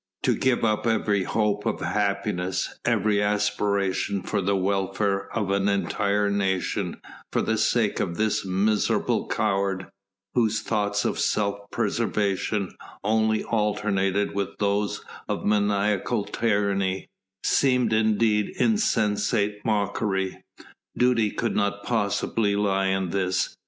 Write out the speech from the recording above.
To give up every hope of happiness, every aspiration for the welfare of an entire nation for the sake of this miserable coward, whose thoughts of self preservation only alternated with those of maniacal tyranny, seemed indeed insensate mockery. Duty could not possibly lie in this.